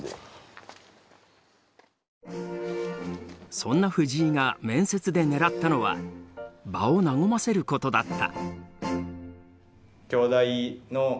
そんな藤井が面接で狙ったのは場を和ませることだった。